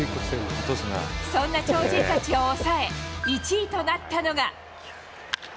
そんな超人たちを抑え、１位となったのが。